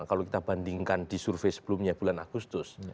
kalau kita bandingkan di survei sebelumnya bulan agustus